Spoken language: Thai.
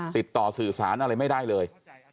ติดต่อสื่อสารอะไรไม่ได้เลย